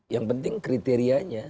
yang penting kriterianya